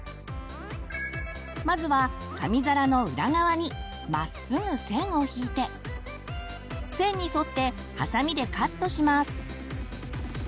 まずは紙皿の裏側にまっすぐ線を引いて線に沿ってハサミでカットします。